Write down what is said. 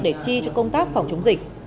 để chi cho công tác phòng chống dịch